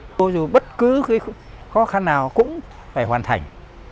vô dù bất cứ khó khăn nào cũng phải hoàn thành